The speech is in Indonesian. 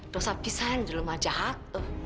dosa pisah yang dulu mah jahat